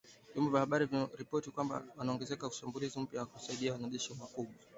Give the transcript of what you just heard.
Vyombo vya habari vimeripoti kwamba anaongoza mashambulizi mapya akisaidiwa na wanajeshi wakubwa